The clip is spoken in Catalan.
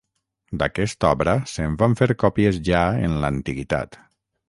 D'aquesta obra se'n van fer còpies ja en l'antiguitat.